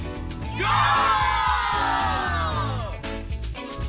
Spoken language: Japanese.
ゴー！